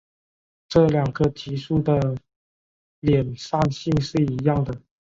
这两个级数的敛散性是一样的。